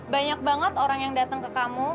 banyak banget orang yang datang ke kamu